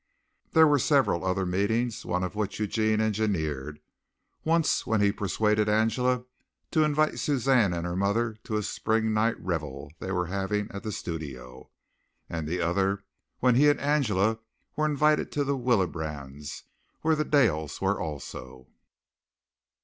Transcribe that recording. There were several other meetings, one of which Eugene engineered, once when he persuaded Angela to invite Suzanne and her mother to a spring night revel they were having at the studio, and the other when he and Angela were invited to the Willebrands, where the Dales were also.